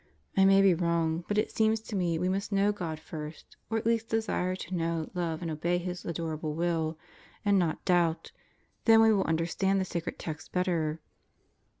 I may be wrong, but it seems to me we must know God first, or at least desire to know, love, and obey His adorable will, and not doubt. Then we will understand the sacred text better.